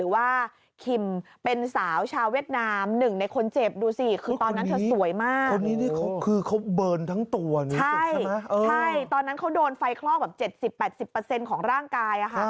ว่าคิมเป็นสาวชาวเวียดนามหนึ่งในคนเจ็บดูสิคือตอนนั้นเธอสวยมากคนนี้นี่คือเขาเบิร์นทั้งตัวนะใช่ตอนนั้นเขาโดนไฟคลอกแบบ๗๐๘๐ของร่างกาย